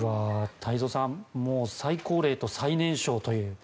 太蔵さん最高齢と最年少という。